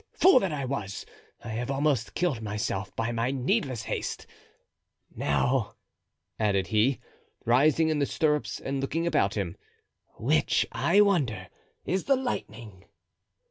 Fool that I was! I have almost killed myself by my needless haste. Now," he added, rising in the stirrups and looking about him, "which, I wonder, is the Lightning?"